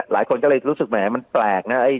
หลายคนก็เลยรู้สึกแหมมันแปลกนะ